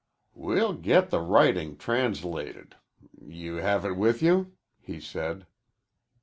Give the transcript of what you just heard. "We'll get the writing translated. You have it with you?" he said.